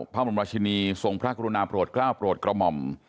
พระบรมราชินีทรงพระกรุณาโปรดกล้าวโปรดกระหม่อม